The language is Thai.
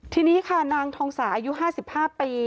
ทีนี้ค่ะนางทองสาอายุ๕๕ปี